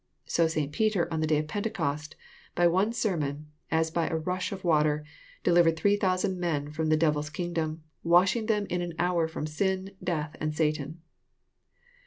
So St. Peter on the day of Pentecost, by one sermon, as by a rash of water, delivered three thoasand men from the devirs kingdom, washing them in an hour fh>m sin, death, and Satan."